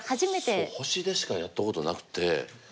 そう星でしかやったことなくて。